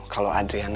kalau adriana tuh ya